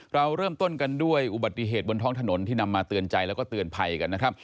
เราเริ่มต้นกันด้วยอุบัติเหตุบนท้องถนนที่นำมาเตือนใจแล้วก็เตือนภัยกันนะครับ